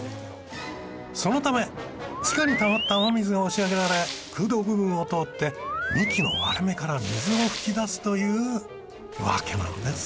そのため地下にたまった雨水が押し上げられ空洞部分を通って幹の割れ目から水が噴き出すというわけなんです。